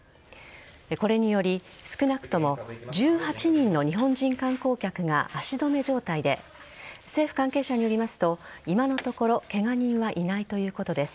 これにより少なくとも１８人の日本人観光客が足止め状態で政府関係者によりますと今のところケガ人はいないということです。